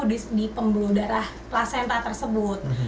di pembuluh darah placenta tersebut